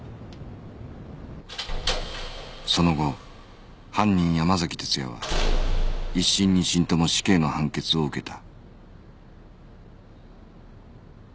その後犯人山崎哲也は一審二審とも死刑の判決を受けた